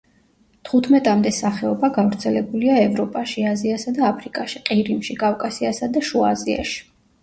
თხუთმეტამდე სახეობა გავრცელებულია ევროპაში, აზიასა და აფრიკაში, ყირიმში, კავკასიასა და შუა აზიაში.